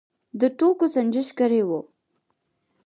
د توکو سنجش کړی و.